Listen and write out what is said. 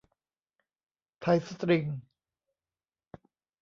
ไทยสตริง